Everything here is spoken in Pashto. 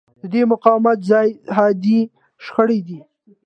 د دې مقاومت ځای حادې شخړې دي.